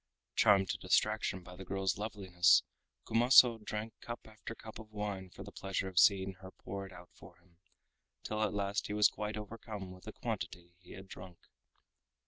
Charmed to distraction by the girl's loveliness Kumaso drank cup after cup of wine for the pleasure of seeing her pour it out for him, till at last he was quite overcome with the quantity he had drunk.